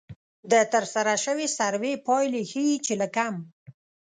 د ترسره شوې سروې پایلې ښيي چې له کم